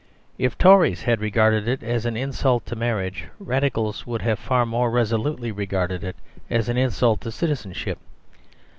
If Tories had regarded it as an insult to marriage, Radicals would have far more resolutely regarded it as an insult to citizenship.